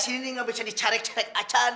iya sini gak bisa dicarek carek acan